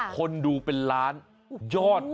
คนดูเป็นล้านยอด